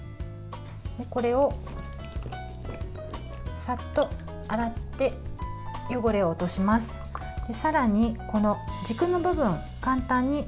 これを、さっと洗って汚れを落とします。